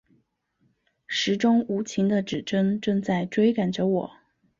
时钟无情的指针正在追赶着我